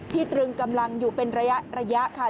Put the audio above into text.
ที่ตรึงกำลังอยู่เป็นระยะระยะค่ะ